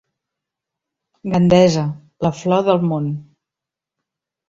Gandesa, la flor del món.